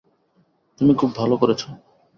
তুমি খুব ভাল করেছ।